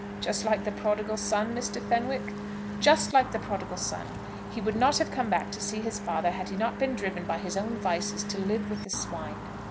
"Just like the Prodigal Son, Mr. Fenwick?" "Just like the Prodigal Son. He would not have come back to his father had he not been driven by his own vices to live with the swine."